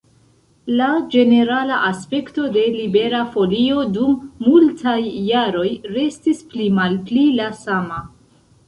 La ĝenerala aspekto de Libera Folio dum multaj jaroj restis pli-malpli la sama.